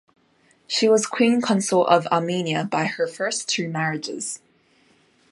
She was Queen consort of Armenia by her first two marriages.